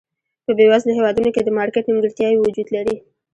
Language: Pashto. په بېوزلو هېوادونو کې د مارکېټ نیمګړتیاوې وجود لري.